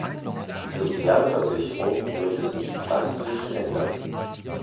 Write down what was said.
Die Sozialversicherung würde sich drastisch ändern.